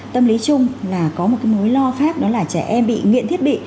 tâm lý chung là có một cái mối lo pháp đó là trẻ em bị nghiện thiết bị